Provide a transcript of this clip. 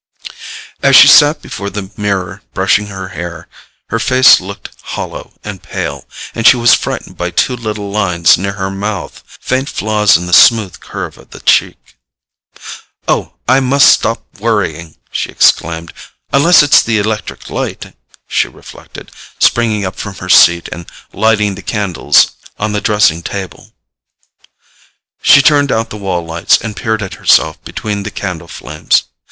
As she sat before the mirror brushing her hair, her face looked hollow and pale, and she was frightened by two little lines near her mouth, faint flaws in the smooth curve of the cheek. "Oh, I must stop worrying!" she exclaimed. "Unless it's the electric light——" she reflected, springing up from her seat and lighting the candles on the dressing table. She turned out the wall lights, and peered at herself between the candle flames.